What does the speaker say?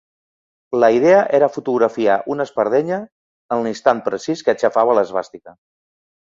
La idea era fotografiar una espardenya en l’instant precís que aixafava l’esvàstica.